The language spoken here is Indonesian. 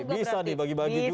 oke bisa dibagi bagi juga